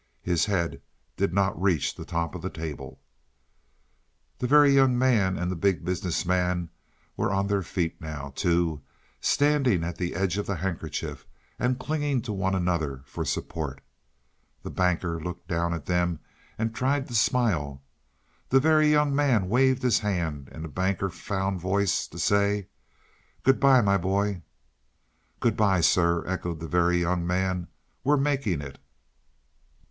His head did not reach the table top. The Very Young Man and the Big Business Man were on their feet now, too, standing at the edge of the handkerchief, and clinging to one another for support. The Banker looked down at them and tried to smile. The Very Young Man waved his hand, and the Banker found voice to say: "Good by, my boy." "Good by, sir," echoed the Very Young Man. "We're making it."